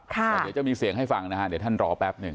แต่เดี๋ยวจะมีเสียงให้ฟังนะฮะเดี๋ยวท่านรอแป๊บหนึ่ง